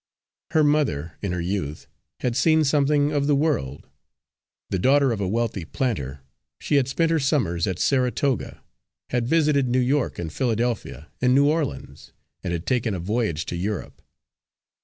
Her mother, in her youth, had seen something of the world. The daughter of a wealthy planter, she had spent her summers at Saratoga, had visited New York and Philadelphia and New Orleans, and had taken a voyage to Europe.